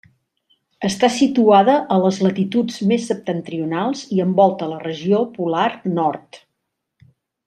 Està situada a les latituds més septentrionals i envolta la regió polar nord.